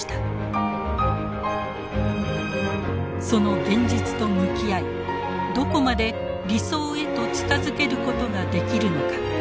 その「現実」と向き合いどこまで「理想」へと近づけることができるのか。